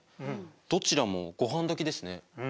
どちらもごはんどきですね。